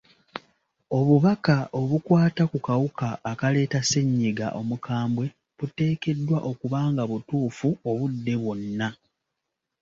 Obubaka obukwata ku kawuka akaleeta ssennyiga omukambwe buteekeddwa okuba nga butuufu obudde bwonna.